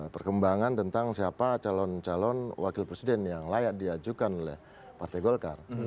perkembangan tentang siapa calon calon wakil presiden yang layak diajukan oleh partai golkar